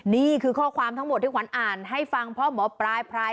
นี่คือข้อความทั้งหมดที่ขวัญอ่านให้ฟังเพราะหมอปลายพราย